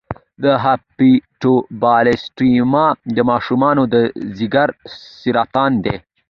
د هیپاټوبلاسټوما د ماشومانو د ځګر سرطان دی.